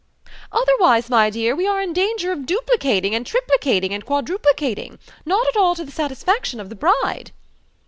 "Otherwise, my dear, we are in danger of duplicating and triplicating and quadruplicating, not at all to the satisfaction of the bride."